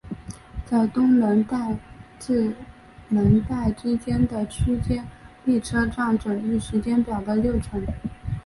在东能代至能代之间的区间列车占整日时间表的六成。